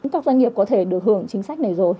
các doanh nghiệp có thể được hưởng chính sách này rồi